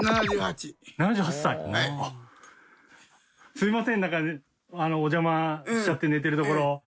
すいませんなんかお邪魔しちゃって寝てるところ。